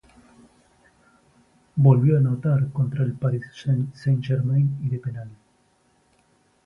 Volvió a anotar contra el Paris Saint-Germain y de penal.